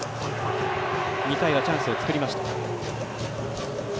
２回はチャンスを作りました。